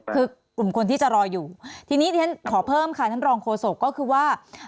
คือกลุ่มคนที่จะรออยู่ทีนี้เรียนขอเพิ่มค่ะท่านรองโฆษกก็คือว่า